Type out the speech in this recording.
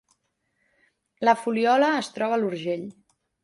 La Fuliola es troba a l’Urgell